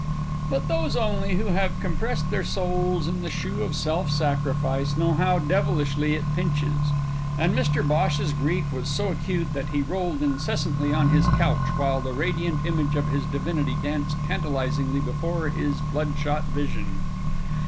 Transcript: But those only who have compressed their souls in the shoe of self sacrifice know how devilishly it pinches, and Mr Bhosh's grief was so acute that he rolled incessantly on his couch while the radiant image of his divinity danced tantalisingly before his bloodshot vision.